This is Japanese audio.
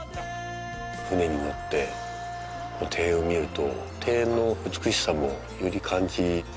舟に乗って庭園を見ると庭園の美しさもより感じますね。